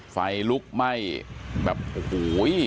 ไฟลุกไหม้แบบโอ้โห